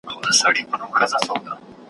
ټول به دي هېر وي او ما به غواړې ,